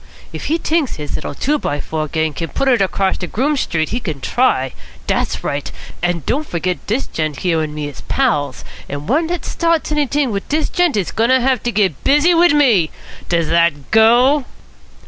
If he t'inks his little two by four gang can put it across de Groome Street, he can try. Dat's right. An' don't fergit dis gent here and me is pals, and any one dat starts anyt'ing wit dis gent is going to have to git busy wit me. Does dat go?"